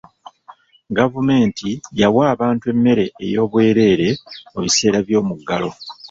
Gavumenti yawa abantu emmere ey'obwereere mu biseera by'omuggalo.